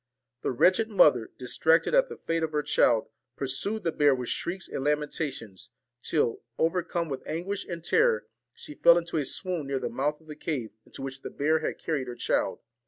The wretched mother, distracted at the fate of her child, pursued the bear with shrieks and lamenta tions, till, overcome with anguish and terror, she fell into a swoon near the mouth of the cave into which the bear had carried her child.